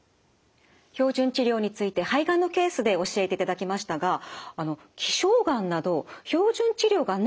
標準治療について肺がんのケースで教えていただきましたが希少がんなど標準治療がないという場合もありますよね。